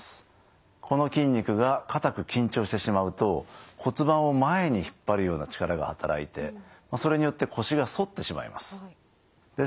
この筋肉が硬く緊張してしまうと骨盤を前に引っ張るような力が働いてそれによって腰が反ってしまいます。